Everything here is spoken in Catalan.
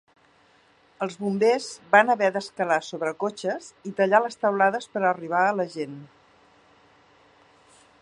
Els bombers van haver de escalar sobre cotxes i tallar les teulades per arribar a la gent.